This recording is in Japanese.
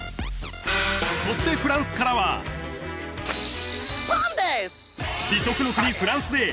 そしてフランスからはパンです！